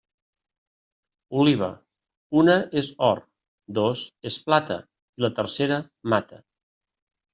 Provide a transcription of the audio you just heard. Oliva, una és or, dos és plata, i la tercera mata.